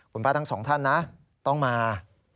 คุณป้าทั้งสองท่านนะต้องมา